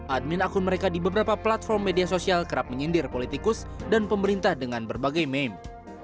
admin akun mereka di beberapa platform media sosial kerap menyindir politikus dan pemerintah dengan berbagai meme